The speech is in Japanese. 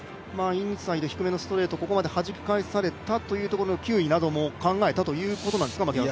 インサイド低めのストレート、ここまで弾き返されたということの球威も考えたということなんですか。